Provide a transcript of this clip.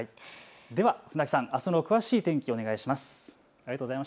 では船木さん、あすの詳しい天気をお願いします。